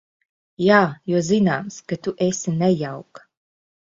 Jā, jo zināms, ka tu esi nejauka.